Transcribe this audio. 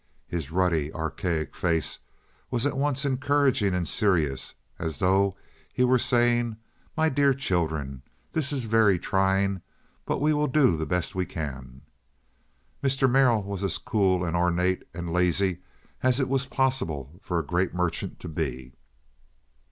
His ruddy, archaic face was at once encouraging and serious, as though he were saying, "My dear children, this is very trying, but we will do the best we can." Mr. Merrill was as cool and ornate and lazy as it was possible for a great merchant to be.